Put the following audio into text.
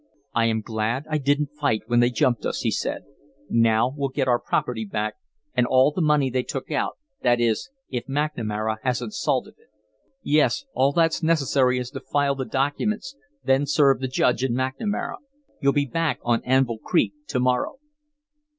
"I am glad I didn't fight when they jumped us," he said. "Now we'll get our property back and all the money they took out that is, if McNamara hasn't salted it." "Yes; all that's necessary is to file the documents, then serve the Judge and McNamara. You'll be back on Anvil Creek to morrow."